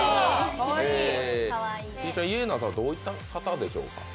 イェナさん、どういった方でしょうか。